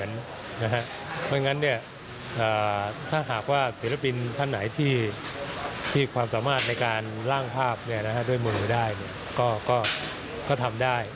เพราะฉะนั้นถ้าหากว่าศิลปินท่านไหนที่มีความสามารถในการล่างภาพด้วยมือได้ก็ทำได้